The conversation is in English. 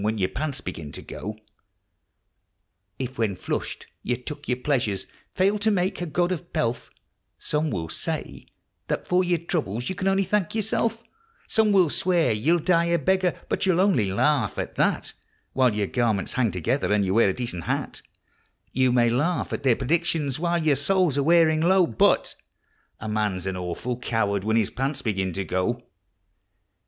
WHEN YOUR PANTS BEGIN TO GO 67 If, when flush, you took your pleasure failed to make a god of Pelf Some will say that for your troubles you can only thank yourself ; Some will swear you'll die a beggar, but you only laugh at that While your garments hang together and you wear a decent hat ; You may laugh at their predictions while your soles are wearing through But a man's an awful coward when his pants are going too